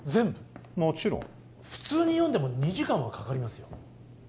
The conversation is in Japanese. もちろん普通に読んでも２時間はかかりますよ